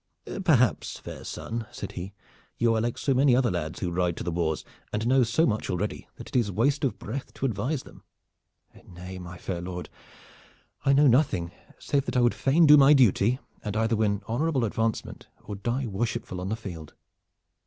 "Perhaps, fair son," said he, "you are like so many other lads who ride to the wars, and know so much already that it is waste of breath to advise them?" "Nay, my fair lord, I know nothing save that I would fain do my duty and either win honorable advancement or die worshipful on the field."